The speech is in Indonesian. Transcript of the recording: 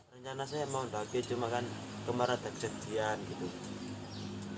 rencana saya mau lagi cuma kan kemarat dan kejadian gitu